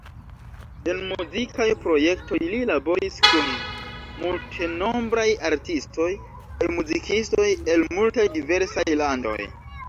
En muzikaj projektoj li laboris kun multenombraj artistoj kaj muzikistoj el multaj diversaj landoj.